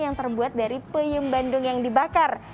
yang terbuat dari peyem bandung yang dibakar